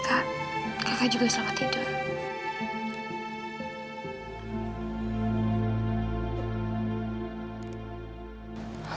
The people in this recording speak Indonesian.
kakak juga selamat tidur